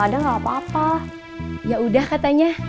kadang gak apa apa yaudah katanya